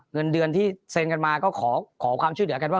เงินเดือนที่เซ็นกันมาก็ขอความช่วยเหลือกันว่า